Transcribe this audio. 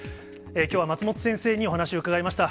きょうは松本先生にお話を伺いました。